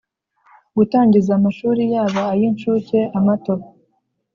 Gutangiza amashuri yaba ay incuke amato